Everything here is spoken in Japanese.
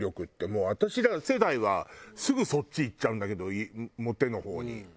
もう私ら世代はすぐそっちいっちゃうんだけどモテの方に。